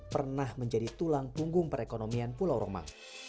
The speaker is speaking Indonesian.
pernah menjadi tulang punggung perekonomian pulau romang